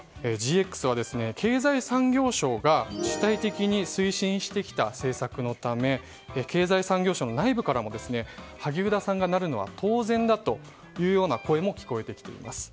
ＧＸは経済産業省が主体的に推進してきた政策のため経済産業省の内部からも萩生田さんがなるのは当然だというような声も聞こえてきています。